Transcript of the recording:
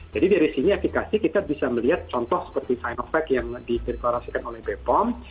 jadi dari sini efekasi kita bisa melihat contoh seperti sign of fact yang diterikorasikan oleh bepom